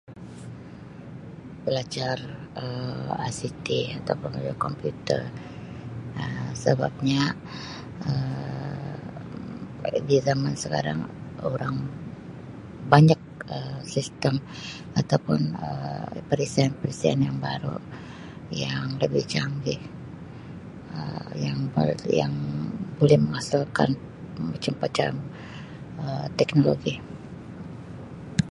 Belajar ICT atau pun belajar komputer Um sebabnya Um di zaman sekarang orang banyak Um sistem atau pun Um perisian-perisian yang baru yang lebih canggih Um yang per-yang boleh menghasilkan macam-macam Um teknologi.